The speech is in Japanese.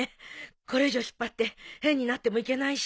これ以上引っ張って変になってもいけないし。